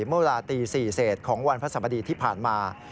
เมื่อเวลาตี๔เศษของวันพระสบดีที่ผ่านมา